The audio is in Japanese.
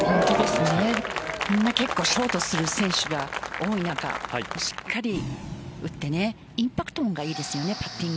みんな、結構ショートする選手が多い中しっかり打ってインパクトがいいですよね。